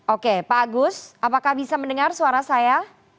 oke pak agus apakah bisa mendengar suara saya